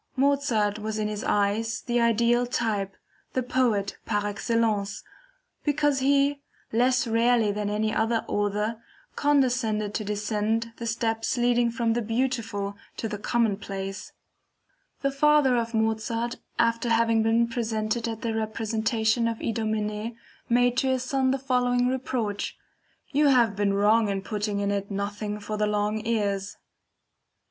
Mozart was in his eyes the ideal type, the Poet par excellence, because he, less rarely than any other author, condescended to descend the steps leading from the beautiful to the commonplace. The father of Mozart after having been present at a representation of IDOMENEE made to his son the following reproach: "You have been wrong in putting in it nothing for the long ears."